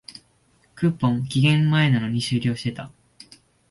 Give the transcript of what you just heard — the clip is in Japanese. クーポン、期限前なのに終了してた